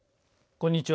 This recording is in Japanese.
こんにちは。